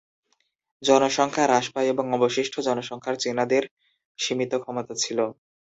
জনসংখ্যা হ্রাস পায় এবং অবশিষ্ট জনসংখ্যার চীনাদের সীমিত ক্ষমতা ছিল।